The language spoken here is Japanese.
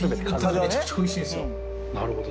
なるほど。